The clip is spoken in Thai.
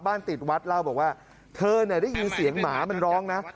ติดวัดเล่าบอกว่าเธอเนี่ยได้ยินเสียงหมามันร้องนะ